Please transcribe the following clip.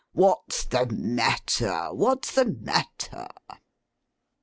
'What's the matter! What's the matter!